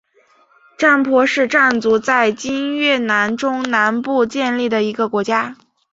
占婆是占族在今越南中南部建立的一个国家。